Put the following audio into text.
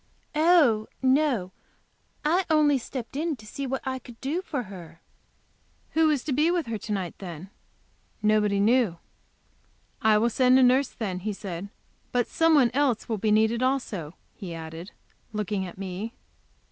"Oh, no, I only stepped in to see what I could do for her." "Who is to be with her to night, then?" Nobody knew. "I will send a nurse, then," he said. "But some one else will be needed also," he added, looking at me.